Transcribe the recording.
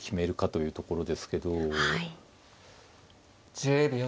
１０秒。